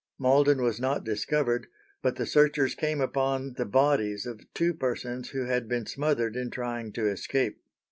Malden was not discovered, but the searchers came upon "the bodies of two persons who had been smothered in trying to escape."